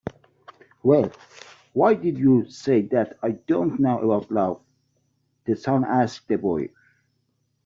"Well, why did you say that I don't know about love?" the sun asked the boy.